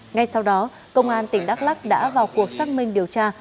ngay sau đó công an tp đắc lắc đã vào cuộc xác minh điều tra